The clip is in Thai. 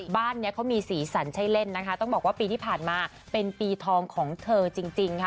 บ้านนี้เขามีสีสันใช่เล่นนะคะต้องบอกว่าปีที่ผ่านมาเป็นปีทองของเธอจริงค่ะ